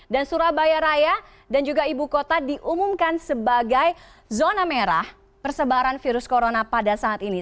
dan surabaya raya dan juga ibu kota diumumkan sebagai zona merah persebaran virus corona pada saat ini